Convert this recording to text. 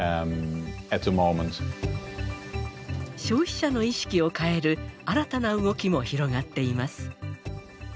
消費者の意識を変える新たな動きも広がっています。